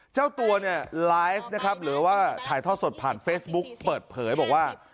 เจ้าตัวเนี่ยไลฟ์นะครับหรือว่าถ่ายทอดสดผ่านเฟซบุ๊กเปิดเผยบอกว่า